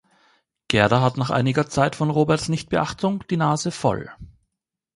Gerda hat nach einiger Zeit von Roberts Nichtbeachtung die Nase voll.